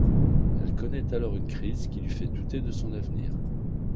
Elle connaît alors une crise qui lui fait douter de son avenir.